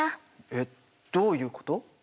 えっどういうこと？